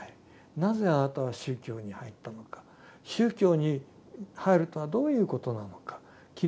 なぜあなたは宗教に入ったのか宗教に入るとはどういうことなのかキリスト教ではどうなのか